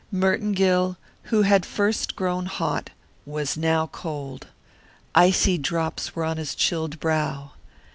Merton Gill, who had first grown hot, was now cold. Icy drops were on his chilled brow.